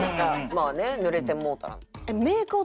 まあねぬれてもうたら。